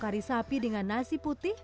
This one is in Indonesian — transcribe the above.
sari sapi dengan nasi putih